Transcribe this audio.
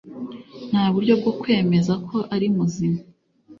Nta buryo bwo kwemeza ko ari muzima